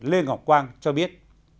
lê ngọc quang cho biết